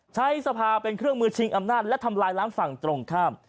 สภาเป็นเครื่องมือชิงอำนาจและทำลายล้างฝั่งตรงข้าม